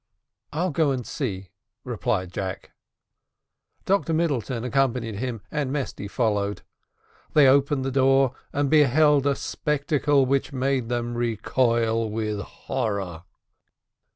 "I'll go and see," replied Jack. Dr Middleton accompanied him, and Mesty followed. They opened, the door, and beheld a spectacle which made them recoil with horror.